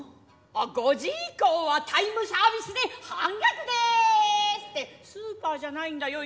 あ五時以降はタイムサービスで半額ですってスーパーじゃないんだよ